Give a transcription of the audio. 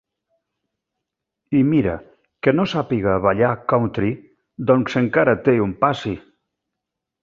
I mira, que no sàpiga ballar country, doncs encara té un passi.